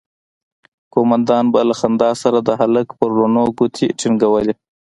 قومندان به له خندا سره د هلک پر ورنونو گوتې ټينگولې.